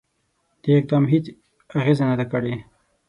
دې اقدام هیڅ اغېزه نه ده کړې.